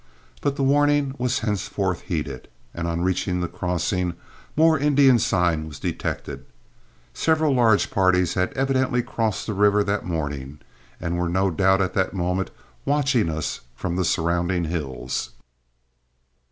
But the warning was henceforth heeded, and on reaching the crossing more Indian sign was detected. Several large parties had evidently crossed the river that morning, and were no doubt at that moment watching us from the surrounding hills.